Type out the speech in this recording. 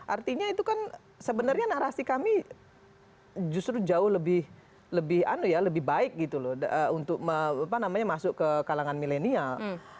artinya itu kan sebenarnya narasi kami justru jauh lebih baik gitu loh untuk masuk ke kalangan milenial